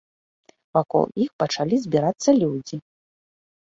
Вакол іх пачалі збірацца людзі.